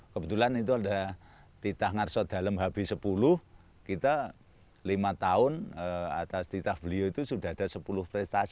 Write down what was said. kebetulan itu ada titah ngarso dalem hb sepuluh kita lima tahun atas titah beliau itu sudah ada sepuluh prestasi